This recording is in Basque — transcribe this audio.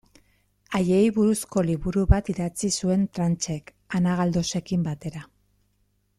Haiei buruzko liburu bat idatzi zuen Tranchek, Ana Galdosekin batera.